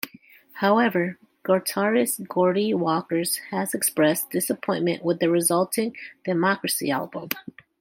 However, guitarist Geordie Walker has expressed disappointment with the resulting "Democracy" album.